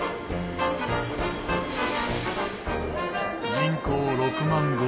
人口６万５０００。